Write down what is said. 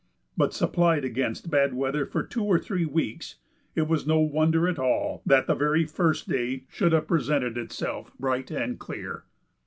But supplied against bad weather for two or three weeks, it was no wonder at all that the very first day should have presented itself bright and clear.